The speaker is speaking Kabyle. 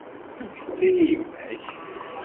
Amek tettili yemma-k?